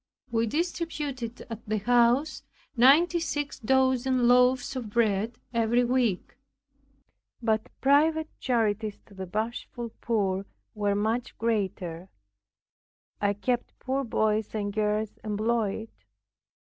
We distributed at the house ninety six dozen loaves of bread every week, but private charities to the bashful poor were much greater. I kept poor boys and girls employed.